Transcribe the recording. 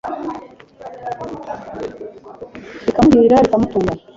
bikamuhira bikamutunga